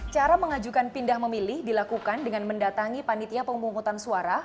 cara mengajukan pindah memilih dilakukan dengan mendatangi panitia pemungutan suara